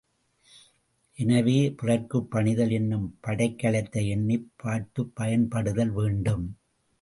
எனவே, பிறர்க்குப் பணிதல் என்னும் படைக் கலத்தையும் எண்ணிப் பார்த்துப் பயன் படுத்தல் வேண்டும்.